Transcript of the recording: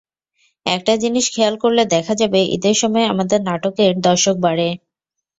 একটা জিনিস খেয়াল করলে দেখা যাবে ঈদের সময়ে আমাদের নাটকের দর্শক বাড়ে।